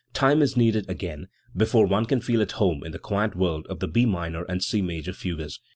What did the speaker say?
Time is needed, again, before one can feel at home in the quiet world of the B minor and C major fugues.